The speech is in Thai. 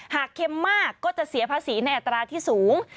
เค็มมากก็จะเสียภาษีในอัตราที่สูง